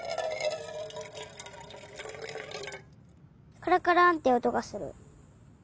カラカランっておとがする。